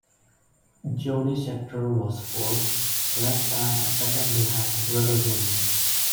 Jody Scheckter was fourth, less than a second behind Regazzoni.